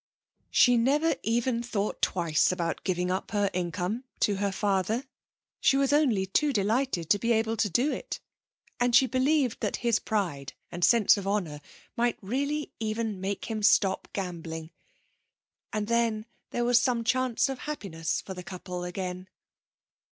She never even thought twice about giving up her income to her father. She was only too delighted to be able to do it. And she believed that his pride and sense of honour might really even make him stop gambling. And then there was some chance of happiness for the couple again.